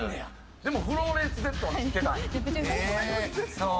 でもフローレンスＺは知ってたんや。